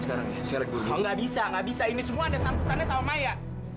nggak bisa nggak bisa ini semua ada sambutannya sama maya